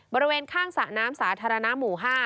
บริเวณข้างสระน้ำสาธารณะหมู่๕